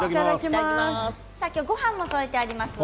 今日は、ごはんも添えてあります。